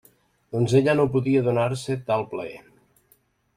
Doncs ella no podia donar-se tal plaer.